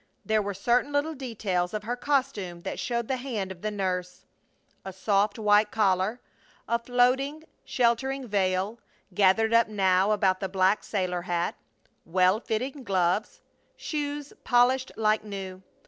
There were certain little details of her costume that showed the hand of the nurse: a soft white collar; a floating, sheltering veil, gathered up now about the black sailor hat; well fitting gloves; shoes polished like new.